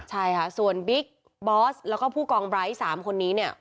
ใช่ค่ะส่วนบิ๊กบอสแล้วก็ผู้กองไร้๓คนนี้เนี่ย